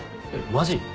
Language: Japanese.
マジ？